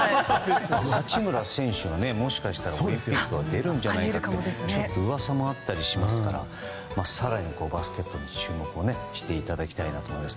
八村選手がもしかしたらオリンピックは出るんじゃないかという噂もあったりしますから更にバスケットに注目していただきたいと思います。